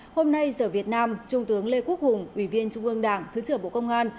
hôm nay giờ việt nam trung tướng lê quốc hùng ủy viên trung ương đảng thứ trưởng bộ công an